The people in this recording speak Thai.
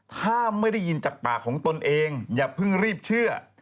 ถ้าไม่ได้ยินจากปากของตนเองอย่าเพิ่งรีบเชื่อ